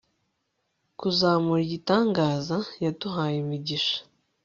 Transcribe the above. kuzamura igitangaza yaduhaye imigisha